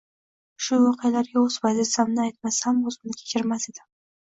shu voqealarga o‘z pozitsiyamni aytmasam, o‘zimni kechirmas edim.